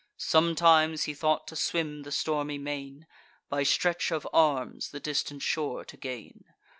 Sometimes he thought to swim the stormy main, By stretch of arms the distant shore to gain.